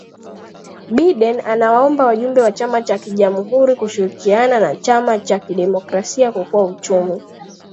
Biden ana waomba wajumbe wa chama cha kijamuhuri kushirikiana na chama cha kidemokrasia kuokoa uchumi